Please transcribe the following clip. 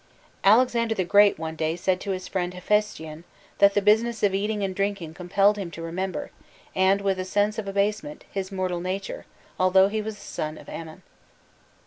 Alexander the Great one day said to his friend Hephaestion, that "the business of eating and drinking compelled him to remember, and with a sense of abasement, his mortal nature, although he was the son of Ammon."